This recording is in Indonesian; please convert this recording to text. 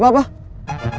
bar bar bar cepet bar